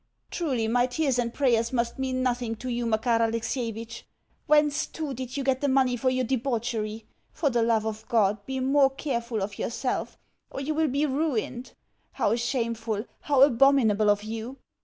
Truly my tears and prayers must mean NOTHING to you, Makar Alexievitch! Whence, too, did you get the money for your debauchery? For the love of God be more careful of yourself, or you will be ruined. How shameful, how abominable of you!